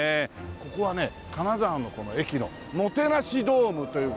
ここはね金沢の駅のもてなしドームという事で。